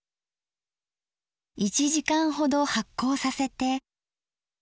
１時間ほど発酵させて。